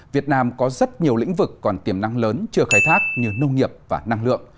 việt nam có rất nhiều lĩnh vực còn tiềm năng lớn